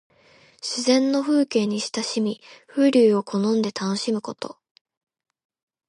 自然の風景に親しみ、風流を好んで楽しむこと。